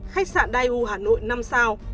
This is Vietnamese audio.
khách sạn dai u hà nội năm sao